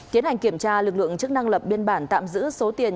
tiến hành kiểm tra lực lượng chức năng lập biên bản tạm giữ số tiền